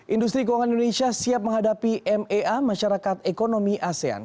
industri keuangan indonesia siap menghadapi mea masyarakat ekonomi asean